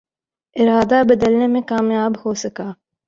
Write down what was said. ارادہ بدلنے میں کامیاب ہو سکا